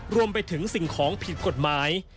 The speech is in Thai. รวมไปถึงสิ่งของผิดกฎหมาย